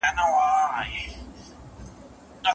ملنګه ! دا سپوږمۍ هم د چا ياد کښې ده ستومانه